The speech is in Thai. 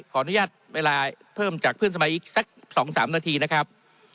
ขออนุญาตเวลาเพิ่มจากเพื่อนสมาชิกอีกสัก๒๓นาทีนะครับ